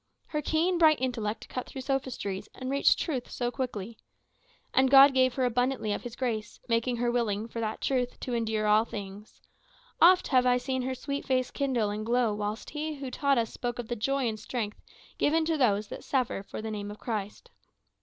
Her keen, bright intellect cut through sophistries, and reached truth so quickly. And God gave her abundantly of his grace; making her willing, for that truth, to endure all things. Oft have I seen her sweet face kindle and glow whilst he who taught us spoke of the joy and strength given to those that suffer for the name of Christ.